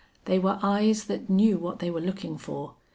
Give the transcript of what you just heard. They were eyes that knew what they were looking for.